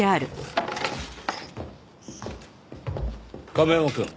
亀山くん。